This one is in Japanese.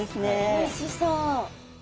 おいしそう。